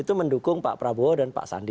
itu mendukung pak prabowo dan pak sandi